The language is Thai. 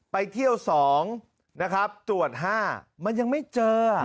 ไปเที่ยว๒นะครับตรวจ๕มันยังไม่เจอ